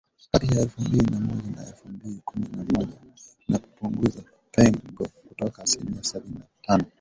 kati ya elfu mbili na moja na elfu mbili kumi na moja na kupunguza pengo kutoka asilimia sabini na tano